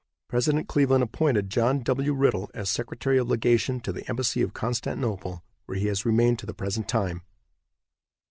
President Cleveland appointed John W. Riddle as secretary of legation to the embassy at Constantinople, where he has remained to the present time.